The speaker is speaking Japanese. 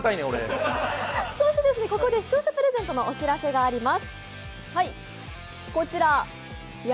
ここで視聴者プレゼントのお知らせがあります。